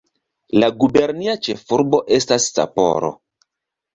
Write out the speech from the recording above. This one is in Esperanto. La gubernia ĉefurbo estas Sapporo.